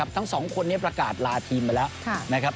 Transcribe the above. ทั้ง๒คนนี้ประกาศลาทีมไปแล้ว